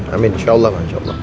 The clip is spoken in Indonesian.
amin insya allah mas